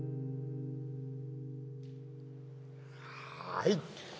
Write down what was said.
はい。